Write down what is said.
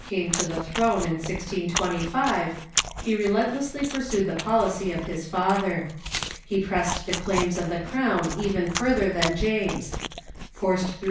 came to the throne, in 1625, he relentlessly pursued the policy of his father. He pressed the claims of the crown even further than James ; forced through Charles I.